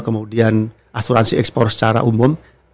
kemudian asuransi ekspor secara umum gitu ya